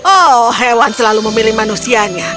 oh hewan selalu memilih manusianya